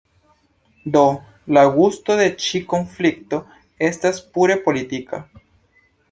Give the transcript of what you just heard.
Do, la gusto de ĉi konflikto estas pure politika.